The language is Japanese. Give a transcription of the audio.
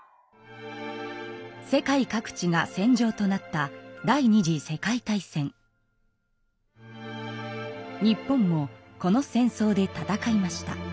世界各地が戦場となった日本もこの戦争で戦いました。